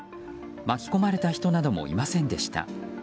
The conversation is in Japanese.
巻き込まれた人などもいませんでした。